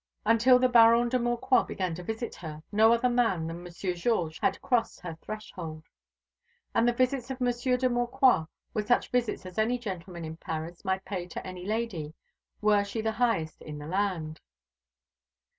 Until the Baron de Maucroix began to visit her, no other man than Monsieur Georges had crossed her threshold. And the visits of Monsieur de Maucroix were such visits as any gentleman in Paris might pay to any lady, were she the highest in the land.